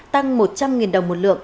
tăng một trăm linh đồng một lượng